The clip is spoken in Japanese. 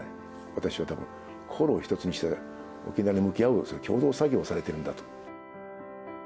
私はたぶん、心を一つにして沖縄に向き合う共同作業をされてるんだと。